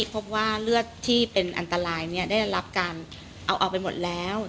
พบว่าเลือดที่เป็นอันตรายได้รับการเอาออกไปหมดแล้ว